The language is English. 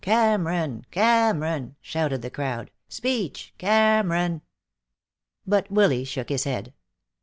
"Cameron! Cameron!" shouted the crowd. "Speech! Cameron!" But Willy shook his head.